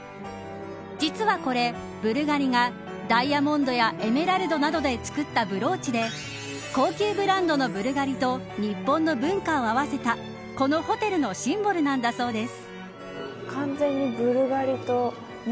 実はこれ、ブルガリがダイヤモンドやエメラルドなどで作ったブローチで高級ブランドのブルガリと日本の文化を合わせたこのホテルのシンボルなんだそうです。